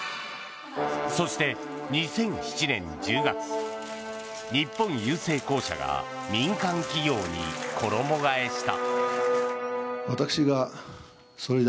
そして、２００７年１０月日本郵政公社が民間企業に衣替えした。